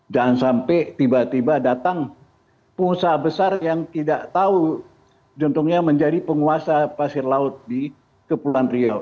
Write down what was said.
dan sampai tiba tiba datang pengusaha besar yang tidak tahu jentungnya menjadi penguasa pasir laut di kepulauan rio